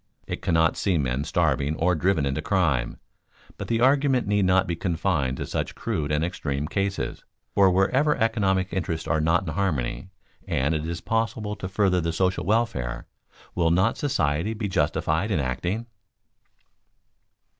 It cannot see men starving or driven into crime. But the argument need not be confined to such crude and extreme cases, for wherever economic interests are not in harmony and it is possible to further the social welfare, will not society be justified in acting?